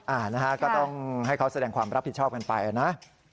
อ่านะฮะก็ต้องให้เขาแสดงความรับผิดชอบกันไปนะ